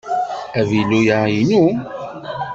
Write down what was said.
Avilu-a inu.